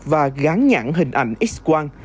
và gán nhãn hình ảnh x quang